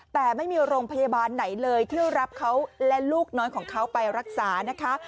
แต่ไม่มีโรงพยาบาลไหนเลยที่รับเขาและลูกน้อยของเขาไปรักษานะคะ